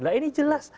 lah ini jelas